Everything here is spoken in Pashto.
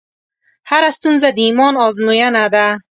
هره ستونزه د ایمان ازموینه ده.